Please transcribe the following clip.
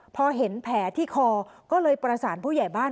พอเห็นแผลที่คอก็เลยประสานผู้ใหญ่บ้าน